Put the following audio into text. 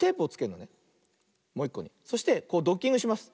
そしてこうドッキングします。